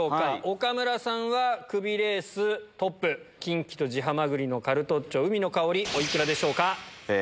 岡村さんはクビレーストップ、キンキと地ハマグリのカルトッチョ海の香り、おいくらでしょうか。